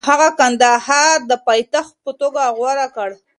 نه، هغه کندهار د پایتخت په توګه غوره کړ.